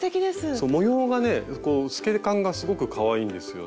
そう模様がね透け感がすごくかわいいんですよね。